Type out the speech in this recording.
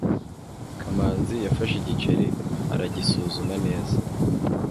kamanzi yafashe igiceri aragisuzuma neza